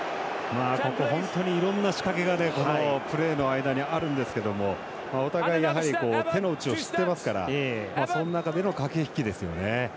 本当にいろんな仕掛けがプレーの間にあるんですけどお互い、やはり手の内を知っていますからその中での駆け引きですよね。